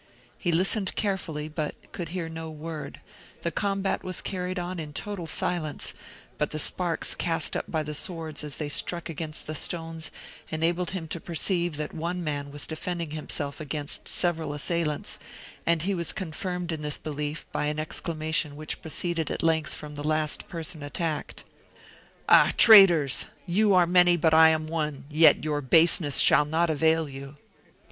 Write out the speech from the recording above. He listened carefully, but could hear no word; the combat was carried on in total silence; but the sparks cast up by the swords as they struck against the stones, enabled him to perceive that one man was defending himself against several assailants; and he was confirmed in this belief by an exclamation which proceeded at length from the last person attacked. "Ah, traitors! you are many and I am but one, yet your baseness shall not avail you."